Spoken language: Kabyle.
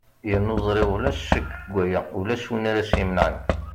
yernu ẓriɣ ulac ccek deg waya ulac win ara s-imenɛen